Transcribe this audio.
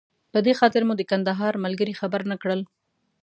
په دې خاطر مو د کندهار ملګري خبر نه کړل.